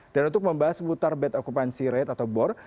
dan untuk membahas seputar bed akupansi raid atau bor